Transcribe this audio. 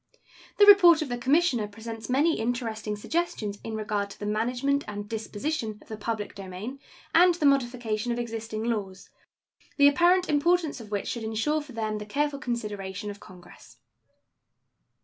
The report of the Commissioner presents many interesting suggestions in regard to the management and disposition of the public domain and the modification of existing laws, the apparent importance of which should insure for them the careful consideration of Congress.